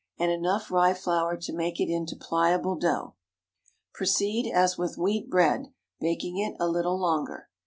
And enough rye flour to make it into pliable dough. Proceed as with wheat bread, baking it a little longer.